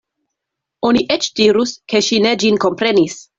Oni eĉ dirus, ke ŝi ne ĝin komprenis.